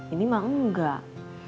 ini mah enggak